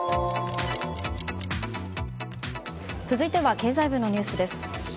続いては経済部のニュースです。